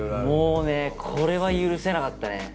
もうねこれは許せなかったね。